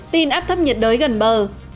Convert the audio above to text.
tin áp thấp nhiệt đới gần bờ